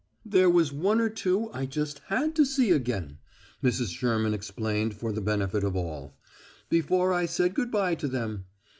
"There was one or two I just had to see again," Mrs. Sherman explained for the benefit of all, "before I said good by to them.